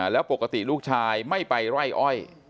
แล้วปกติลูกชายไม่ไปไร่อ้อย